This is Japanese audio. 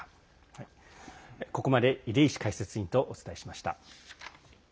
ここまで出石解説委員とお伝えしました。